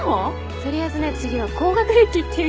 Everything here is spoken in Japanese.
取りあえずね次は高学歴いってみようかなと。